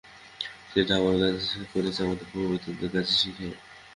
সেটা আমরা করেছি আমাদের পূর্ববর্তীদের কাছে শিখে।